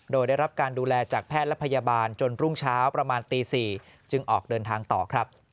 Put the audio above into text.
โดยได้รับการดูแลจากแพทย์และพยาบาลจนรุ่งเช้าประมาณตี๔จึงออกเดินทางต่อครับ